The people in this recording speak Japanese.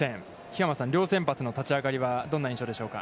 桧山さん、両先発の立ち上がりはどんな印象でしょうか。